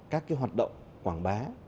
các hoạt động quảng bá